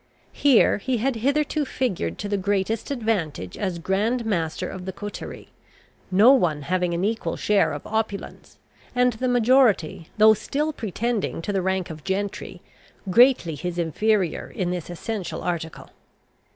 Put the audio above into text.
Here he had hitherto figured to the greatest advantage as grand master of the coterie, no one having an equal share of opulence, and the majority, though still pretending to the rank of gentry, greatly his inferior in this essential article.